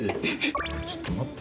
ちょっと待って。